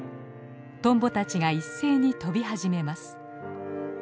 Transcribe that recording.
トンボたちが一斉に飛び始めます。